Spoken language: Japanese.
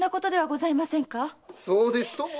そうですとも。